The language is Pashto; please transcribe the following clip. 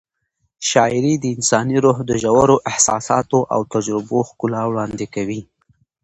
شاعري د انساني روح د ژورو احساساتو او تجربو ښکلا وړاندې کوي.